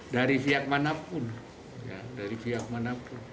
dari pihak manapun